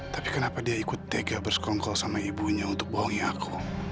tapi kenapa dia ikut tega bersekongkol sama ibunya untuk bohongi aku